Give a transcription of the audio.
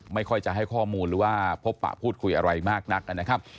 ไม่ค่อยจะให้ข้อมูลหรือว่าพบปะพูดคุยอะไรมากนักนะครับ